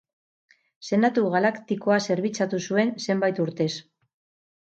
Senatu Galaktikoa zerbitzatu zuen zenbait urtez.